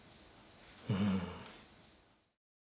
うん。